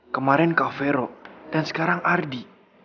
kemarin kak vero dan sekarang ardi